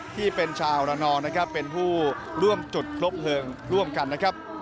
ที่เป็นชาวระนองนะครับเป็นผู้ร่วมจุดพลบเพลิงร่วมกันนะครับ